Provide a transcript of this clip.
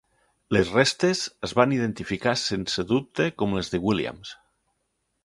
Les restes es van identificar sense dubte com les de Williams.